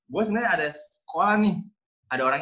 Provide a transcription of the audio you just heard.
gue sebenarnya ada sekolah nih ada orang